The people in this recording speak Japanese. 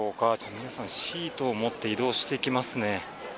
皆さん、シートを持って移動していきますね。